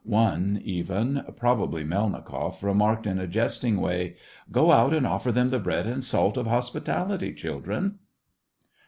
One even, probably Melnikoff, remarked, in a jesting way :—" Go out and offer them the bread and salt of hospitality, children